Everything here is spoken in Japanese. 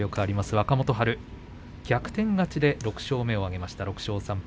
若元春、逆転勝ちで６勝目を挙げました、６勝３敗。